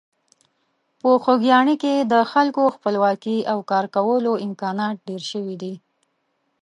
په خوږیاڼي کې د خلکو خپلواکي او کارکولو امکانات ډېر شوي دي.